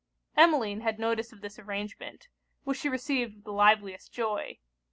Emmeline had notice of this arrangement, which she received with the liveliest joy.